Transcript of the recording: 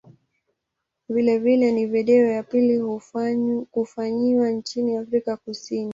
Vilevile ni video ya pili kufanyiwa nchini Afrika Kusini.